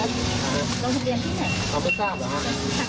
ต้องเตรียมที่ไหนที่ถองไม่ทราบหรือคะ